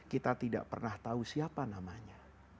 kita tidak pernah tahu siapa namanya